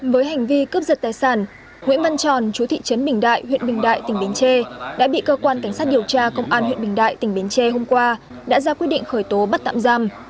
với hành vi cướp giật tài sản nguyễn văn tròn chú thị trấn bình đại huyện bình đại tỉnh bến tre đã bị cơ quan cảnh sát điều tra công an huyện bình đại tỉnh bến tre hôm qua đã ra quyết định khởi tố bắt tạm giam